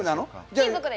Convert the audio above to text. じゃあ。